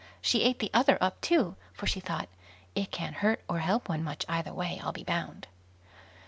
She ate the other up too, for, she thought, "it can't hurt or help one much either way, I'll be bound".